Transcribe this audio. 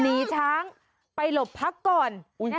หนีช้างไปหลบพักก่อน